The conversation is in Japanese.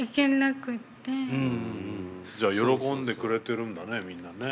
じゃあ喜んでくれてるんだねみんなね。